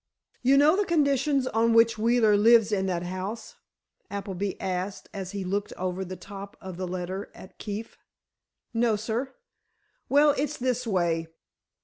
"You know the conditions on which Wheeler lives in that house?" Appleby asked, as he looked over the top of the letter at Keefe. "No, sir." "Well, it's this way.